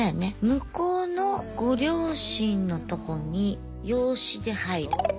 向こうのご両親のとこに養子で入る。